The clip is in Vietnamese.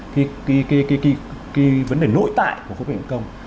cái vấn đề nội tại của bệnh viện công